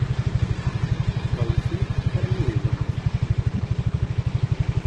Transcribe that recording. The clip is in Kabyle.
Ḍeyyfen-t armi d ulamek.